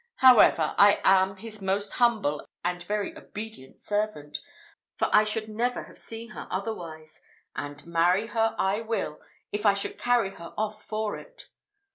However, I am his most humble and very obedient servant, for I should never have seen her otherwise; and marry her I will, if I should carry her off for it."